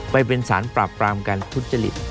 ไปเป็นสารปราบปรามการทุจริต